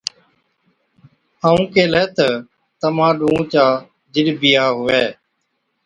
ائُون ڪيهلَي تہ، تمهان ڏُونه چا جِڏ بِيها هُوِي،